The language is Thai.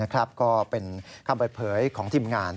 ก็เป็นคำเปิดเผยของทีมงาน